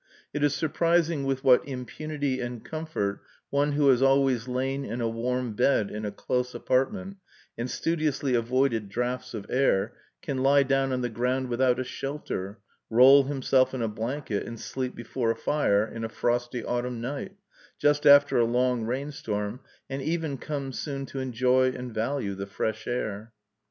It is surprising with what impunity and comfort one who has always lain in a warm bed in a close apartment, and studiously avoided drafts of air, can lie down on the ground without a shelter, roll himself in a blanket, and sleep before a fire, in a frosty autumn night, just after a long rain storm, and even come soon to enjoy and value the fresh air.